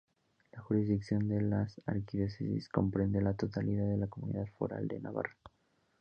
La jurisdicción de la archidiócesis comprende la totalidad de la Comunidad foral de Navarra.